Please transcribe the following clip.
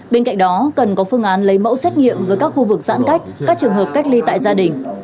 bên cạnh đó cần có phương án lấy mẫu xét nghiệm với các khu vực giãn cách các trường hợp cách ly tại gia đình